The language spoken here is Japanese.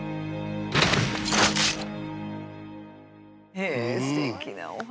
へえすてきなお話！